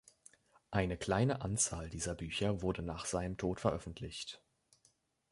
Eine kleine Anzahl dieser Bücher wurde nach seinem Tod veröffentlicht.